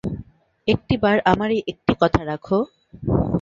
একটিবার আমার এই একটি কথা রাখো।